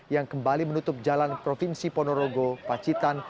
yang kembali menutup jalan provinsi ponorogo pacitan